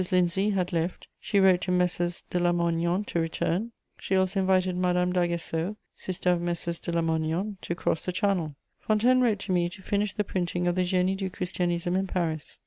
Lindsay had left; she wrote to Messrs, de Lamoignon to return; she also invited Madame d'Aguesseau, sister of Messrs, de Lamoignon, to cross the Channel. Fontaines wrote to me to finish the printing of the Génie du Christianisme in Paris.